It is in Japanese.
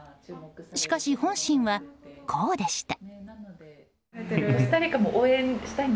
しかし、本心はこうでした。